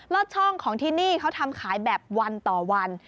อดช่องของที่นี่เขาทำขายแบบวันต่อวัน